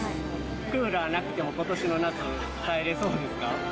クーラーなくてもことしの夏、耐えれそうですか？